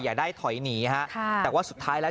อย่าได้ถอยหนีฮะค่ะแต่ว่าสุดท้ายแล้ว